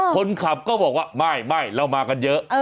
คนขับก็บอกว่าไม่เรามากันเยอะ